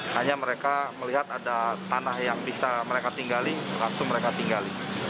hanya mereka melihat ada tanah yang bisa mereka tinggali langsung mereka tinggali